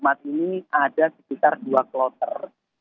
masjidil haram ini ada sekitar dua kloter